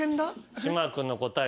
島君の答え。